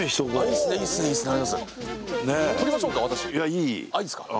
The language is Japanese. いいっすか？